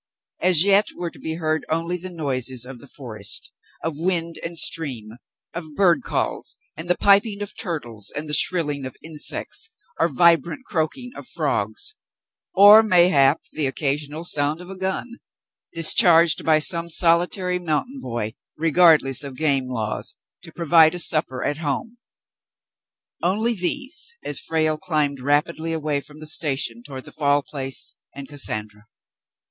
As yet were to be heard only the noises of the forest — of wind and stream — of bird calls and the piping of turtles and the shrilling of insects or vibrant croaking of frogs — or mayhap the occasional sound of a gun, discharged by some solitary mountain boy, regardless of game laws, to provide a supper at home, — only these, as Frale climbed rapidly away from the station toward the Fall Place, and Cassandra.